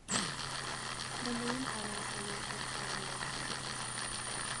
The name honors a local pioneer family.